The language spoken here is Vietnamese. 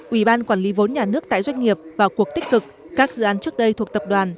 ủy ban quản lý vốn nhà nước tại doanh nghiệp vào cuộc tích cực các dự án trước đây thuộc tập đoàn